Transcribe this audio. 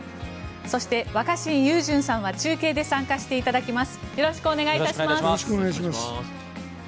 そして、若新雄純さんは中継で参加していただきます。